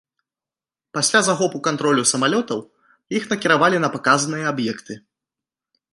Пасля захопу кантролю самалётаў іх накіравалі на паказаныя аб'екты.